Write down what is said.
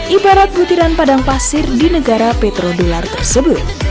ibarat butiran padang pasir di negara petrodular tersebut